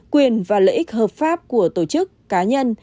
quyền và lợi ích hợp pháp của tổ chức cá nhân